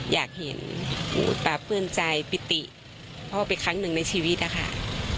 อยากเห็นตราบเพื่อนใจปิติเพราะว่าเป็นครั้งหนึ่งในชีวิตค่ะ